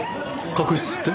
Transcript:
確執って？